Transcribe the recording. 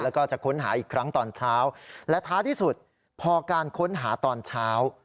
แล้วก็จะค้นหาอีกครั้งตอนเช้าและท้าที่สุดพอการค้นหาตอนเช้า